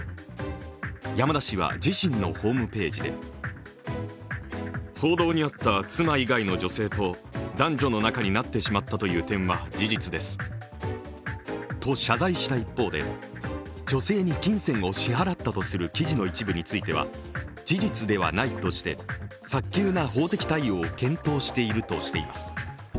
山田氏は自身のホームページでと謝罪した一方で女性に金銭を支払ったとする記事の一部については事実ではないとして早急な法的対応を検討しているとしています。